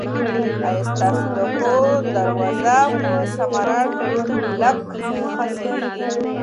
آیا ستاسو د کور دروازه په سمارټ لاک خلاصیږي؟